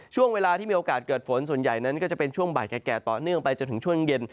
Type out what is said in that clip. ช่วงเวลาที่มีโอกาสเกิดฝนส่วนใหญ่นั้นก็จะเป็นช่วงบ่ายแก่ต่อเนื่องไปจนถึงช่วงเย็น